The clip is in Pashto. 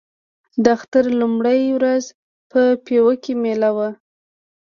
د اختر لومړۍ ورځ په پېوه کې مېله وه.